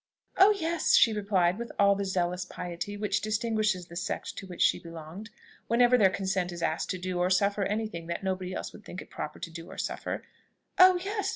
"Oh yes," she replied with all the zealous piety which distinguishes the sect to which she belonged, whenever their consent is asked to do or suffer any thing that nobody else would think it proper to do or suffer, "Oh yes!